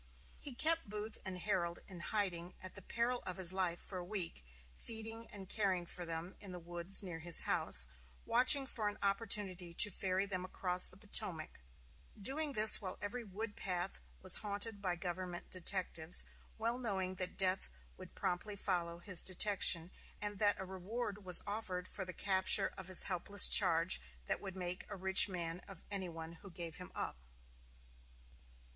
He kept Booth and Herold in hiding at the peril of his life for a week, feeding and caring for them in the woods near his house, watching for an opportunity to ferry them across the Potomac; doing this while every wood path was haunted by government detectives, well knowing that death would promptly follow his detection, and that a reward was offered for the capture of his helpless charge that would make a rich man of any one who gave him up.